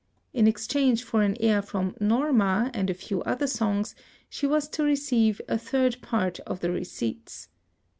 In exchange for an air from 'Norma' and a few other songs, she was to receive a third part of the receipts.